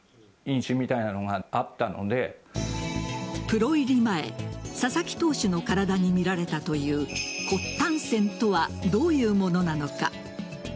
プロ入り前佐々木投手の体に見られたという骨端線とはどういうものなのか。